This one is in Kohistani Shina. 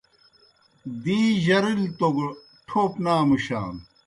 دیں جرِیلوْ توْ گہ ٹھوپ نہ امُشانوْ